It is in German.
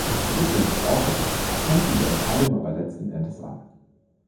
Die Gruppe ist außer sich, erkennt diese Entscheidung aber letzten Endes an.